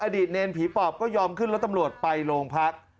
เนรผีปอบก็ยอมขึ้นรถตำรวจไปโรงพัก